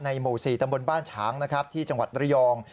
ในโมสีตำบลบ้านฉางที่จังหวัดระยอง